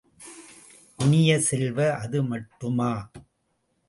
இனிய செல்வ, அது மட்டுமா!